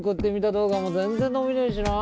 動画も全然伸びねえしなぁ。